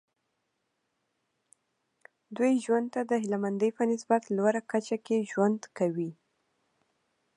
دوی ژوند ته د هیله مندۍ په نسبتا لوړه کچه کې ژوند کوي.